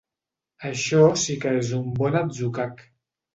Això sí que és un bon atzucac.